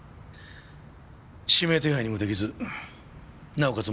指名手配にも出来ずなおかつ